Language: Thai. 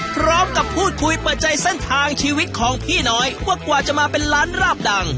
พร้อมกับพูดคุยเปิดใจเส้นทางชีวิตของพี่น้อยว่ากว่าจะมาเป็นร้านราบดัง